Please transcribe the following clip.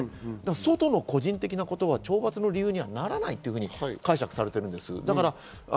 外の個人的なことは懲罰の理由にはならないというふうに解釈されている。